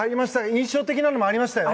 印象的なものもありました。